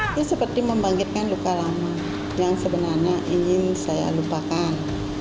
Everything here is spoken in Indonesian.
itu seperti membangkitkan luka lama yang sebenarnya ingin saya lupakan